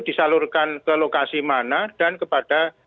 disalurkan ke lokasi mana dan kepada